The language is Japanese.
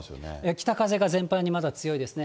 北風が全般にまだ強いですね。